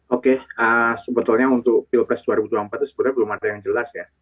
oke sebetulnya untuk pilpres dua ribu dua puluh empat itu sebenarnya belum ada yang jelas ya